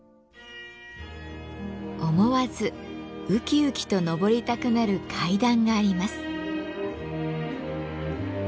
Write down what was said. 思わずウキウキと上りたくなる「階段」があります。